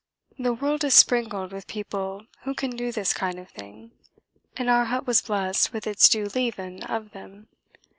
The world is sprinkled with people who can do this kind of thing and our hut was blessed with its due leaven of them.